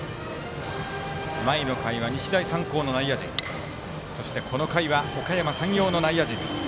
前の回は日大三高の内野陣そして、この回はおかやま山陽の内野陣。